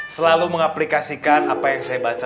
selalu mengaplikasikan apa yang saya baca